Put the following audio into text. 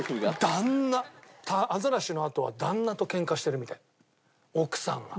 旦那アザラシのあとは旦那とケンカしてるみたい奥さんが。